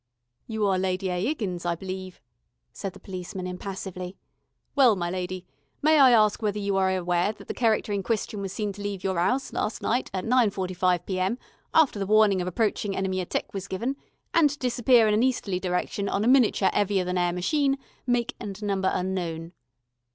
"You are Lady A. 'Iggins, I believe," said the policeman impassively. "Well, my lady, may I ask you whether you are aware thet the cherecter in question was seen to leave your 'ouse last night, at nine forty five P.M., after the warning of approaching enemy atteck was given, and to disappear in an easterly direction, on a miniature 'eavier than air machine, make and number unknown?"